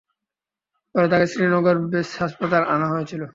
পরে তাঁকে শ্রীনগরের বেস হাসপাতালে আনা হয়েছিল।